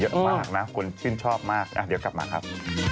เยอะมากนะคนชื่นชอบมากเดี๋ยวกลับมาครับ